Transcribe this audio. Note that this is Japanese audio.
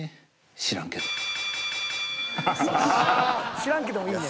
「知らんけど」もいいね。